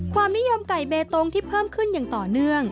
ความนิยมไก่เบตงที่เพิ่มขึ้นอย่างต่อเนื่อง